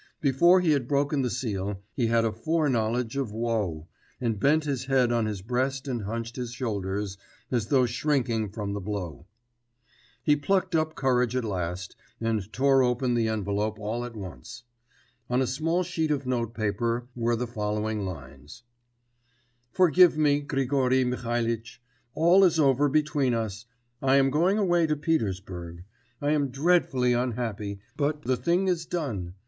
Before he had broken the seal, he had a foreknowledge of woe, and bent his head on his breast and hunched his shoulders, as though shrinking from the blow. He plucked up courage at last, and tore open the envelope all at once. On a small sheet of notepaper were the following lines: 'Forgive me, Grigory Mihalitch. All is over between us; I am going away to Petersburg. I am dreadfully unhappy, but the thing is done.